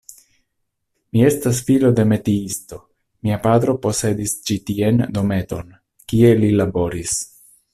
Mi estas filo de metiisto, mia patro posedis ĉi tie dometon, kie li laboris.